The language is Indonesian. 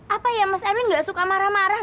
apa ya mas erin gak suka marah marah